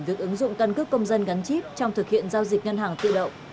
được ứng dụng cân cước công dân gắn chip trong thực hiện giao dịch ngân hàng tự động